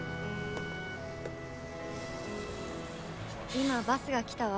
今バスが来たわ。